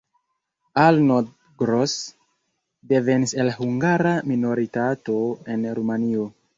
Arnold Gross devenis el hungara minoritato en Rumanio.